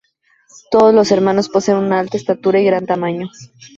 Todos los hermanos poseen una alta estatura y gran tamaño.